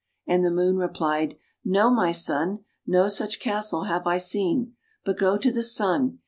" And the Moon replied, "No, my son; no such castle have I seen. But go to the Sun.